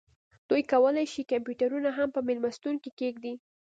دوی کولی شي کمپیوټرونه هم په میلمستون کې کیږدي